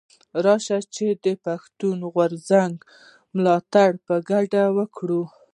راشئ چي د پښتون ژغورني غورځنګ ملاتړ په ډاګه وکړو.